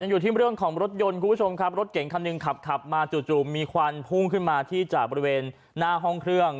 อยู่ที่เรื่องของรถยนต์คุณผู้ชมครับรถเก่งคันหนึ่งขับขับมาจู่มีควันพุ่งขึ้นมาที่จากบริเวณหน้าห้องเครื่อง